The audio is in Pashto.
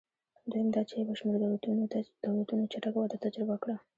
دویم دا چې یو شمېر دولتونو چټکه وده تجربه کړه.